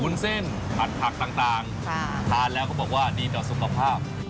วุ้นเส้นผัดผักต่างทานแล้วเขาบอกว่าดีต่อสุขภาพ